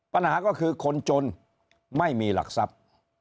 ปัญหาก็คือคนจนไม่มีหลักทรัพย์